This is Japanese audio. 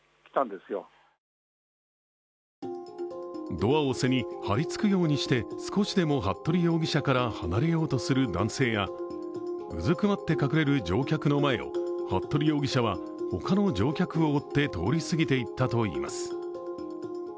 ドアを背に、張りつくようにして少しでも服部容疑者から離れようとする男性や、うずくまって隠れる乗客の前を服部容疑者は他の乗客を追って通り過ぎていったといいます。